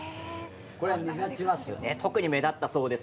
これは目立ちますよね。